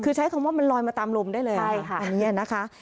คือใช้คำว่ามันลอยมาตามลมได้เลยใช่ค่ะอันนี้นะคะ